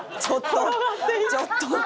ちょっとちょっと。